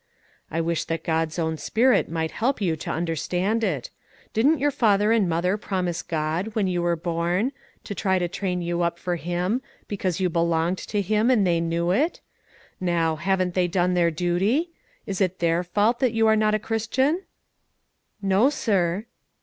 "I wish that God's own Spirit might help you to understand it. Didn't your father and mother promise God, when you were born, to try to train you up for Him, because you belonged to Him, and they knew it? Now, haven't they done their duty? is it their fault that you are not a Christian?" "No, sir."